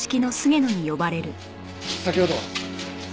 先ほどは。